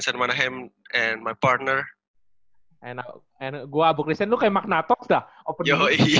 sampai jumpa di episode selanjutnya